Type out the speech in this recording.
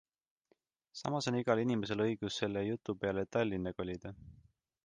Samas on igal inimesel õigus selle jutu peale Tallinna kolida.